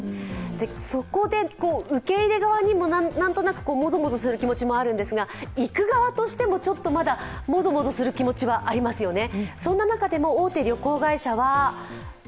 そこで受け入れ側にもなんとなくもぞもぞする気持ちもあるんですが、行く側としても、まだちょっともぞもぞする気持ちはありますよね。